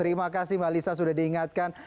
terima kasih mbak lisa sudah diingatkan